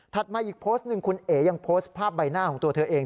มาอีกโพสต์หนึ่งคุณเอ๋ยังโพสต์ภาพใบหน้าของตัวเธอเอง